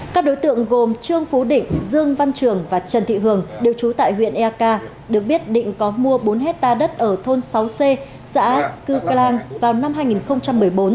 các đối tượng gồm trương phú định dương văn trường và trần thị hường đều trú tại huyện eak được biết định có mua bốn hectare đất ở thôn sáu c xã cư clang vào năm hai nghìn một mươi bốn